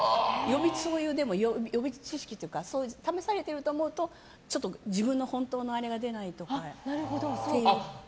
予備知識というか試されてると思うとちょっと自分の本当のあれが出ないって言って。